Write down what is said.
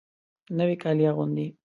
نوي کالي اغوندې